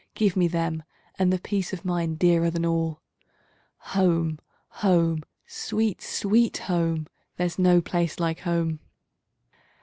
Give me them! and the peace of mind, dearer than all. Home, home! Sweet, Sweet Home! There's no place like Home!